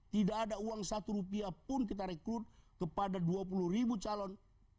tidak ada uang satu rupiah pun kita rekrut kepada dua puluh ribu calon